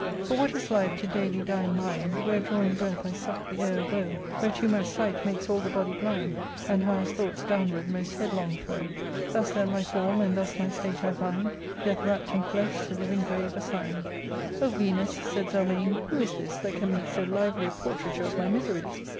For what is life to daily dying mind. Where, drawing breath, I suck the air of woe ; Where too much sight makes all the body blind. And highest thoughts downward most headlong throw ? Thus, then, my form, and thus my state I find. Death wrapp'd in flesh to living grave assigned." " O Venus !" said Zelmane, " who is this that can make so lively a portraiture of my miseries